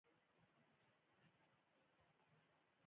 زه او ته دواړه هره ورځ اته ساعته کار کوو